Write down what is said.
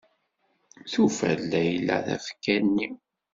Tufa-d Layla tafekka-nni.